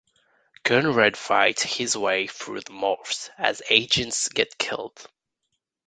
Conrad fights his way through the Morphs as agents get killed.